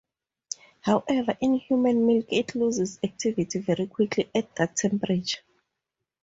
However, in human milk it loses activity very quickly at that temperature.